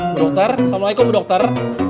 bu dokter assalamualaikum bu dokter